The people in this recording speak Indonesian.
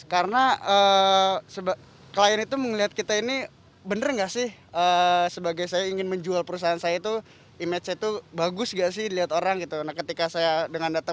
karena klien itu melihat kita ini bener gak sih sebagai saya ingin menjual perusahaan saya itu